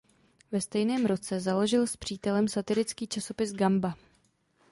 Ve stejném roce založil s přítelem satirický časopis "Gamba".